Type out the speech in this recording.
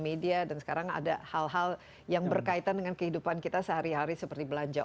media dan sekarang ada hal hal yang berkaitan dengan kehidupan kita sehari hari seperti belanja